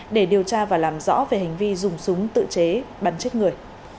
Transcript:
để điều tra và làm rõ về hành vi dùng súng tự chế bắn chết người